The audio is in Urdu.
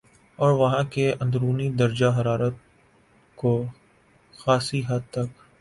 اور وہاں کے اندرونی درجہ حرارت کو خاصی حد تک